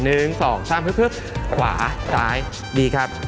ขวาซ้ายดีครับ